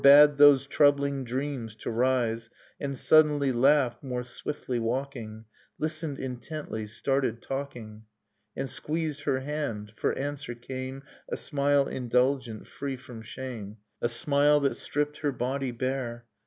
de those troubling dreams to rise, And suddenly laughed, more swiftly walking, Listened intently, started talking, Dust in Starlight And squeezed her hand ; for answer came A smile indulgent, free from shame, A smile that stripped her body bare.